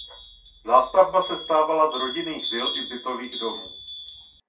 Zástavba sestávala z rodinných vil i bytových domů.